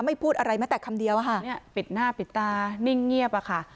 พูดอะไรแม้แต่คำเดียวอะค่ะปิดหน้าปิดตานิ่งเงียบอะค่ะ